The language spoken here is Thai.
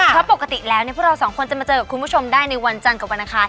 เพราะปกติแล้วพวกเราสองคนจะมาเจอกับคุณผู้ชมได้ในวันจันทร์กับวันอังคาร